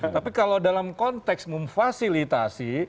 tapi kalau dalam konteks memfasilitasi